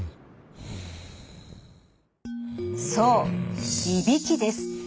そういびきです。